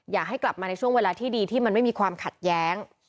อยากให้กลับมาในช่วงเวลาที่ดีที่มันไม่มีความขัดแย้ง